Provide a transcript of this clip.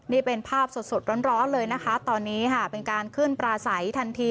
นี่เป็นภาพสดร้อนเลยนะคะตอนนี้ค่ะเป็นการขึ้นปลาใสทันที